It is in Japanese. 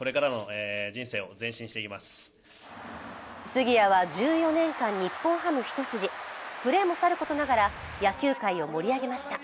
杉谷は１４年間、日本ハム一筋プレーもさることながら野球界を盛り上げました。